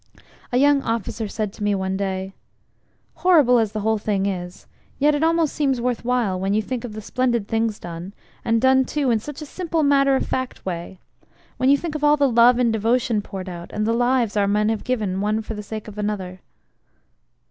A young officer said to me one day "Horrible as the whole thing is, yet it almost seems worth while, when you think of the splendid things done and done too in such a simple matter of fact way: when you think of all the love and devotion poured out, and the lives our men have given one for the sake of another."